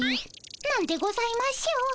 なんでございましょう。